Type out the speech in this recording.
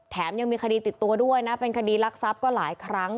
ยังมีคดีติดตัวด้วยนะเป็นคดีรักทรัพย์ก็หลายครั้ง